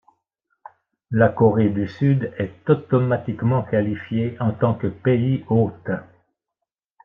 La Corée du Sud est automatiquement qualifiée en tant que pays hôte.